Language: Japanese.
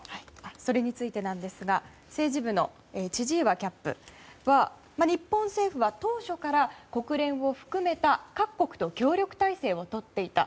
それについてなんですが政治部の千々岩キャップは日本政府は当初から国連を含めた各国と協力体制をとっていた。